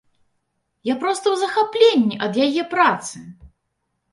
Я проста ў захапленні ад яе працы!